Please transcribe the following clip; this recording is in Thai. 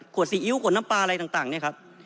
ซีอิ๊วขวดน้ำปลาอะไรต่างเนี่ยครับ